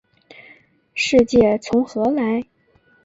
世界从何来？